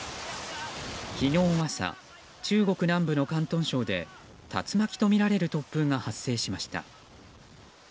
昨日朝、中国南部の広東省で竜巻とみられる突風が発生しました。